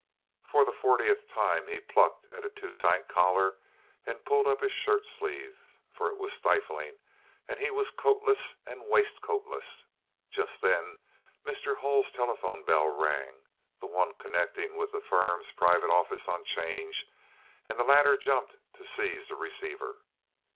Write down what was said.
For the fortieth time he plucked at a too tight collar and pulled up his shirt sleeves, for it was stifling, and he was coatless and waistcoatless. Just then Mr. Hull's telephone bell rang—the one connecting with the firm's private office on 'change, and the latter jumped to seize the receiver.